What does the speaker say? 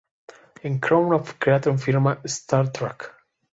En Crown of Creation firma "Star Track".